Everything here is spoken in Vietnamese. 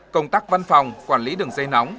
công tác văn phòng quản lý đường dây nóng